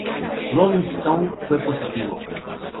Rolling Stone fue positivo.